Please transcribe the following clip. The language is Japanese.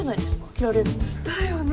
切られるの。だよね。